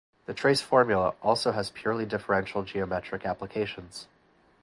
The trace formula also has purely differential-geometric applications.